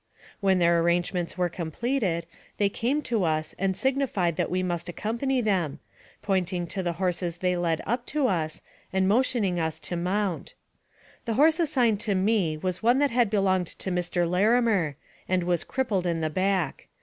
When their arrangements were com pleted, they came to us and signified that we must accompany them, pointing to the horses they led up to us, and motioning for us to mount. The horse assigned to me was one that had belonged to Mr. Lari mer, and was crippled in the back.